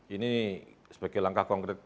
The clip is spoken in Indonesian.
ini sebagai langkah konkret